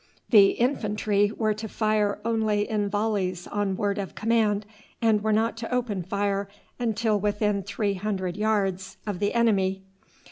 The infantry were to fire only in volleys on word of command, and were not to open fire until within three hundred yards of the enemy.